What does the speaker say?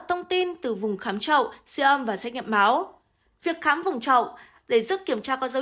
thông tin từ vùng khám trậu siêu âm và xét nghiệm máu việc khám vùng chậu để giúp kiểm tra có dấu